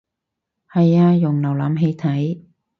係啊用瀏覽器睇